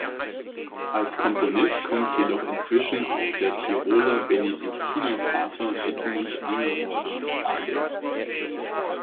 Als Komponist kommt jedoch inzwischen auch der Tiroler Benediktinerpater Edmund Angerer in Frage.